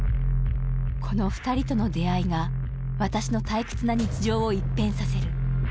この２人との出会いが私の退屈な日常を一変させる